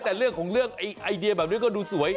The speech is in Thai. แต่เรื่องของเรื่องไอเดียแบบนี้ก็ดูสวย